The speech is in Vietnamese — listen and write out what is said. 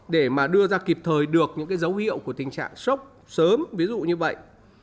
để mà đưa ra kịp thời được những cái dấu hiệu của tình trạng sốc sớm ví dụ như vậy